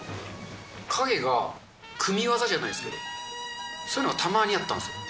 影が組み技じゃないですけど、そういうのがたまにあったんですよ。